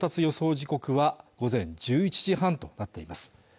時刻は午前１１時半となっています